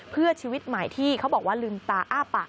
เพื่อชีวิตใหม่ที่เขาบอกว่าลืมตาอ้าปาก